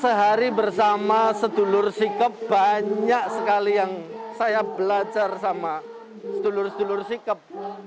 sehari bersama sedulur sikep banyak sekali yang saya belajar sama sedulur sedulur sikep